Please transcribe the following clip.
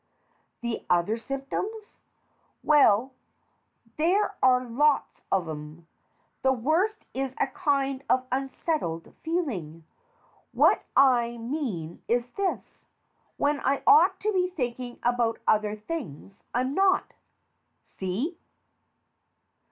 The other symptoms? Well, there are lots of 'em. The worst is a kind of unsettled feeling. What I mean is this: when I ought to be thinking about other things, I'm not. See